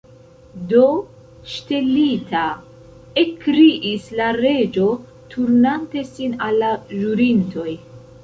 "Do, ŝtelita!" ekkriis la Reĝo, turnante sin al la ĵurintoj.